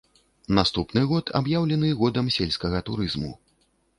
Наступны год аб'яўлены годам сельскага турызму.